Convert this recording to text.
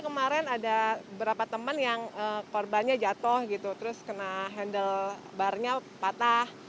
kemarin ada beberapa teman yang korbannya jatuh gitu terus kena handle barnya patah